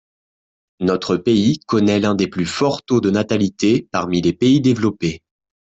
Notre pays connaît l’un des plus forts taux de natalité parmi les pays développés.